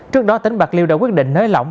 trước đó tỉnh bạc liêu đã quyết định nới lỏng